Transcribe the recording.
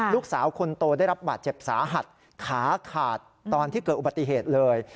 ลูกสาวคนโตได้รับบาดเจ็บสาหัสขาขาดตอนที่เกิดอุบัติเหตุเลย